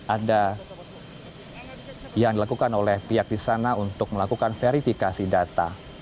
ada yang dilakukan oleh pihak di sana untuk melakukan verifikasi data